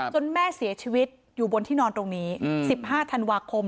แม่เสียชีวิตอยู่บนที่นอนตรงนี้๑๕ธันวาคม